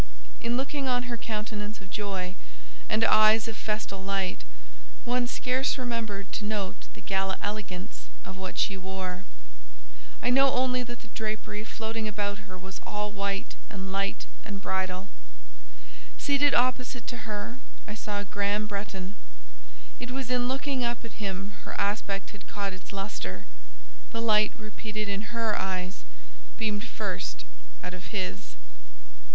In looking on her countenance of joy, and eyes of festal light, one scarce remembered to note the gala elegance of what she wore; I know only that the drapery floating about her was all white and light and bridal; seated opposite to her I saw Graham Bretton; it was in looking up at him her aspect had caught its lustre—the light repeated in her eyes beamed first out of his.